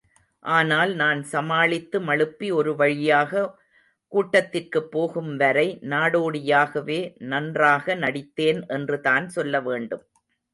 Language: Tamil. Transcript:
ஆனால் நான் சமாளித்து, மழுப்பி ஒரு வழியாக கூட்டத்திற்குப் போகும்வரை நாடோடி யாகவே நன்றாக நடித்தேன் என்றுதான் சொல்லவேண்டும்.